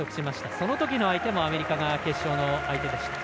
そのときの相手もアメリカが決勝の相手でした。